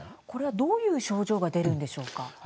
これはどういう症状が出るんでしょうか。